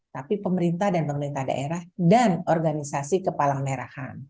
tapi pemerintah dan pemerintah daerah dan organisasi kepala merahan